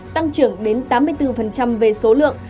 tăng trưởng đến tám mươi bốn về số lượng